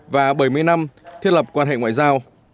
và bảy mươi năm thiết lập quan hệ ngoại giao